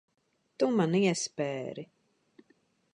Tu man iespēri.